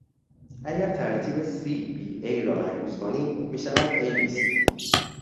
اگر ترتیب c b a را معکوس کنیم میشود a b c.